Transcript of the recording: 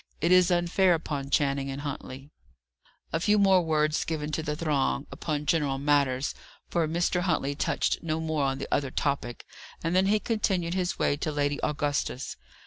It is unfair upon Channing and Huntley." A few more words given to the throng, upon general matters for Mr. Huntley touched no more on the other topic and then he continued his way to Lady Augusta's.